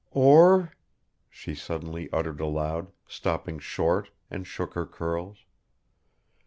. "Or?" she suddenly uttered aloud, stopped short and shook her curls